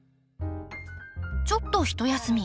ちょっとひと休み。